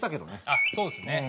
あっそうですね。